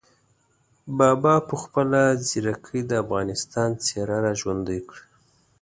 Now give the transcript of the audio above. بابا په خپله ځیرکۍ د افغانستان څېره را ژوندۍ کړه.